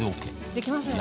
できますよね。